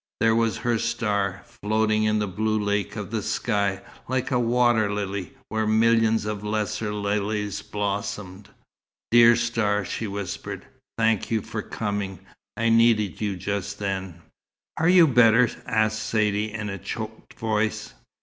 There was her star, floating in the blue lake of the sky, like a water lily, where millions of lesser lilies blossomed. "Dear star," she whispered, "thank you for coming. I needed you just then." "Are you better?" asked Saidee in a choked voice.